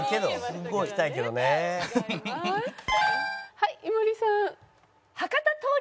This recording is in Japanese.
はい井森さん。